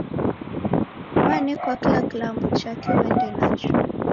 Wanekwa kila kilambo chake uende nacho.